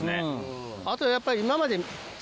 あとやっぱり。